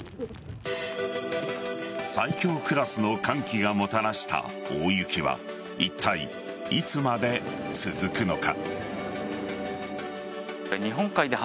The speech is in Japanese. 最強クラスの寒気がもたらした大雪はいったい、いつまで続くのか。